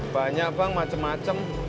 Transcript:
banyak bang macem macem